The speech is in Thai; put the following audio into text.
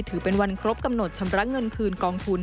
ถือเป็นวันครบกำหนดชำระเงินคืนกองทุน